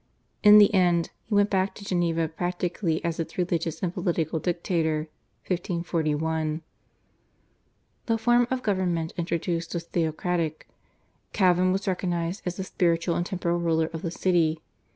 In the end he went back to Geneva practically as its religious and political dictator (1541). The form of government introduced was theocratic. Calvin was recognised as the spiritual and temporal ruler of the city.